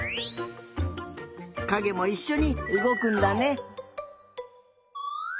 かげもいっしょにうごくんだね。